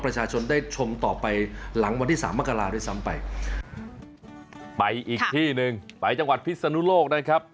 ไปจังหวัดพิษนุโลกนะครับ